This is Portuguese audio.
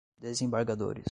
desembargadores